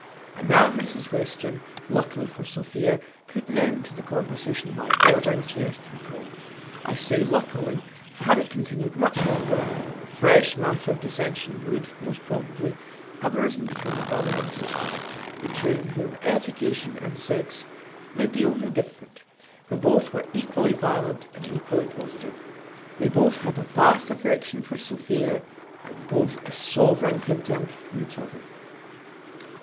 And now Mrs Western, luckily for Sophia, put an end to the conversation by ordering chairs to be called. I say luckily, for had it continued much longer, fresh matter of dissension would, most probably, have arisen between the brother and sister; between whom education and sex made the only difference; for both were equally violent and equally positive: they had both a vast affection for Sophia, and both a sovereign contempt for each other.